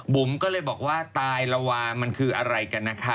บุ๋มก็เลยบอกว่าตายละวามันคืออะไรกันนะคะ